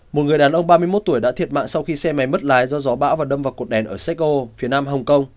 một người đàn ông ba mươi một tuổi đã thiệt mạng sau khi xe máy mất lái do gió bão và đâm vào cột đèn ở sheko phía nam hồng kông